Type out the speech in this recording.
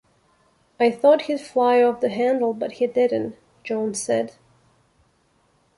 "I thought he'd fly off the handle, but he didn't," Jones said.